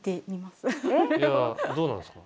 いやぁどうなんですか？